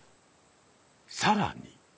さらに。